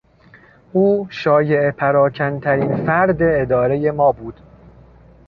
او شایعه پراکنترین فرد ادارهی ما بود.